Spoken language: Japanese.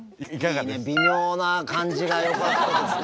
いいね微妙な感じがよかったですね